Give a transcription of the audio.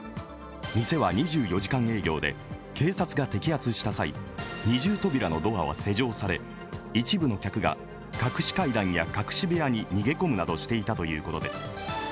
店は２４時間営業で、警察が摘発した際、二重扉のドアは施錠され一部の客が隠し階段や隠し部屋に逃げ込むなどしていたということです。